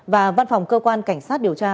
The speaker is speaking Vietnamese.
và văn phòng cơ quan cảnh sát điều tra